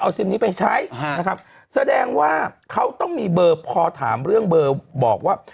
ซิมนี้ไปใช้นะครับแสดงว่าเขาต้องมีเบอร์พอถามเรื่องเบอร์บอกว่า